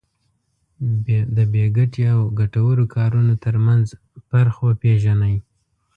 د بې ګټې او ګټورو کارونو ترمنځ فرق وپېژني.